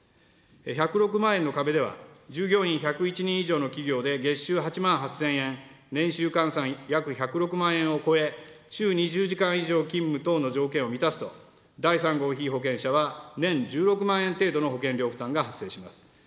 １０６万円の壁では従業員１０１人以上の企業で月収８万８０００円、年収換算約１０６万円を超え、週２０時間以上勤務等の条件を満たすと、第３号被保険者は、年１６万円程度の保険料負担が発生します。